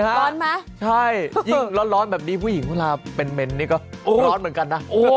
ร้อนไหมใช่ยิ่งร้อนแบบนี้ผู้หญิงเวลาเป็นเมนนี่ก็ร้อนเหมือนกันนะ